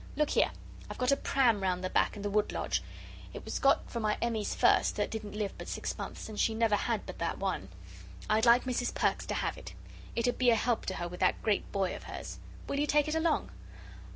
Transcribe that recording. Look here. I've got a pram round the back in the wood lodge. It was got for my Emmie's first, that didn't live but six months, and she never had but that one. I'd like Mrs. Perks to have it. It 'ud be a help to her with that great boy of hers. Will you take it along?"